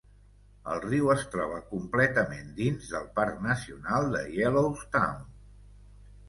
El riu es troba completament dins del Parc Nacional de Yellowstone.